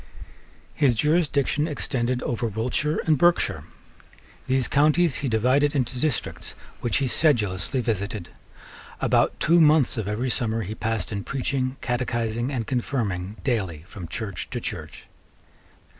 His jurisdiction extended over Wiltshire and Berkshire. These counties he divided into districts which he sedulously visited. About two months of every summer he passed in preaching, catechizing, and confirming daily from church to church.